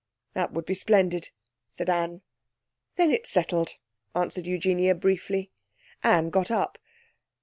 'That would be splendid,' said Anne. 'Then it's settled,' answered Eugenia briefly. Anne got up.